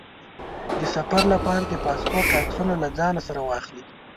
د سفر لپاره د پاسپورټ عکسونه له ځان سره واخلئ.